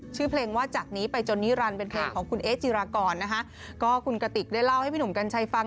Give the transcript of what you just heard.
ชื่อเพลงว่าจากนี้ไปจนนิรันดิ์